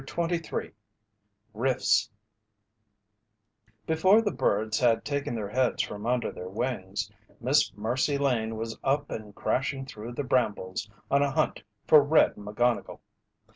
CHAPTER XXIII RIFTS Before the birds had taken their heads from under their wings Miss Mercy Lane was up and crashing through the brambles on a hunt for "Red" McGonnigle.